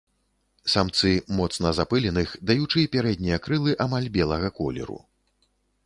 Самцы моцна запыленых, даючы пярэднія крылы амаль белага колеру.